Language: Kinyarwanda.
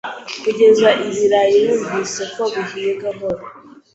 kugeza ibirayi wumvise ko bihiye gahoro.